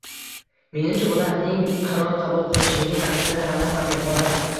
Menimcha, ularning qaror qabul qilishdagi ta'siri hali ham yuqori